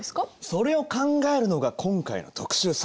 それを考えるのが今回の特集さ。